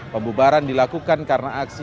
pembubaran dilakukan karena aksi